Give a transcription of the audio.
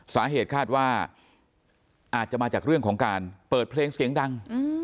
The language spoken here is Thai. สาเหตุคาดว่าอาจจะมาจากเรื่องของการเปิดเพลงเสียงดัง